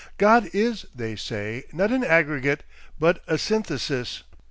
God is, they say, not an aggregate but a synthesis.